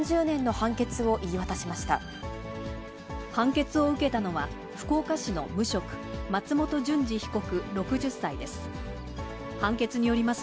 判決を受けたのは、福岡市の無職、松本淳二被告６０歳です。